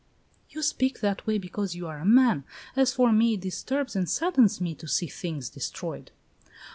"You speak that way because you are a man. As for me, it disturbs and saddens me to see things destroyed."